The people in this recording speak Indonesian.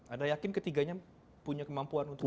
anda yakin ketiganya punya kemampuan untuk